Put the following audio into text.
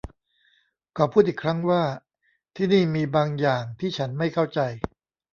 ขอพูดอีกครั้งว่าที่นี่มีบางอย่างที่ฉันไม่เข้าใจ